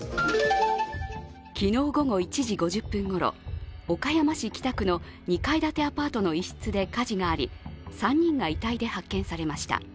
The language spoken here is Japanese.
昨日午後１時５０分ごろ、岡山市北区の２階建てアパートの一室で火事があり、３人が遺体で発見されました。